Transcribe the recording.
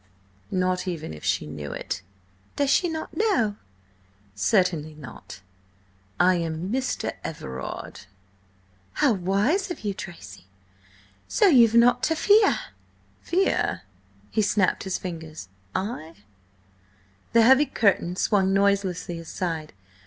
Not even if she knew of it." "Does she not know?" "Certainly not. I am Mr. Everard." "How wise of you, Tracy! So you've nought to fear?" "Fear?" He snapped his fingers. "I?" The heavy curtain swung noiselessly aside.